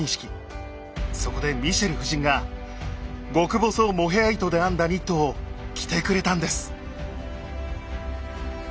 そこでミシェル夫人が極細モヘア糸で編んだニットを着てくれたんです。